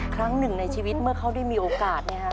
ครั้งหนึ่งในชีวิตเมื่อเขาได้มีโอกาส